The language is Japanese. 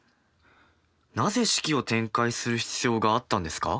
なぜ式を展開する必要があったんですか？